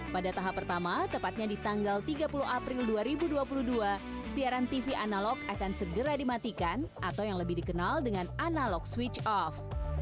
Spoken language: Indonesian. pada tahap pertama tepatnya di tanggal tiga puluh april dua ribu dua puluh dua siaran tv analog akan segera dimatikan atau yang lebih dikenal dengan analog switch off